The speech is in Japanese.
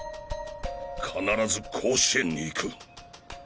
必ず甲子園に行く。